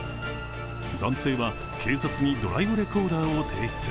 男性は警察にドライブレコーダーを提出。